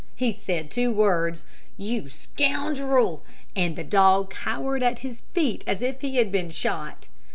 He said two words, 'You scoundrel!' and the dog cowered at his feet as if he had been shot.